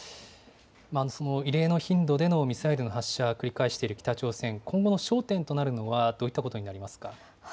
異例の頻度でのミサイルの発射を繰り返している北朝鮮、今後の焦点となるのは、どういったことになりますか。